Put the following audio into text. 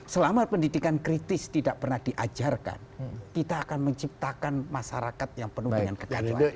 selama pendidikan kritis tidak pernah diajarkan kita akan menciptakan masyarakat yang penuh dengan kekacauan